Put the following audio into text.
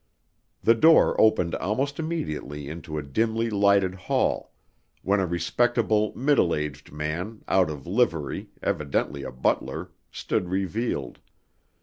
The door opened almost immediately into a dimly lighted hall, when a respectable, middle aged man, out of livery, evidently a butler, stood revealed.